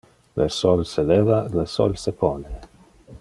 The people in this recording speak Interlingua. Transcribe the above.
Le sol se leva, le sol se pone.